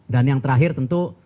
dan yang terakhir tentu